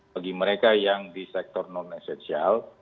bagi mereka yang di sektor non esensial